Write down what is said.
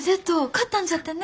勝ったんじゃてね。